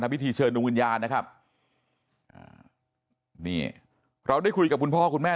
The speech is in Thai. พิธีเชิญดวงวิญญาณนะครับอ่านี่เราได้คุยกับคุณพ่อคุณแม่